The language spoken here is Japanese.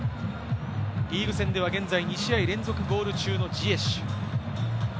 リーグ戦では現在、２試合連続ゴール中のジエシュ。